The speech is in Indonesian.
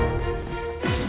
nanti kita ke rumah